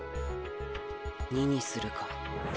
２にするか。